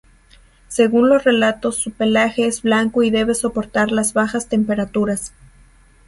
Según los relatos su pelaje es blanco y debe soportar las bajas temperaturas.